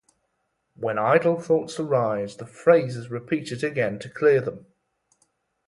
When idle thoughts arise, the phrase is repeated again to clear them.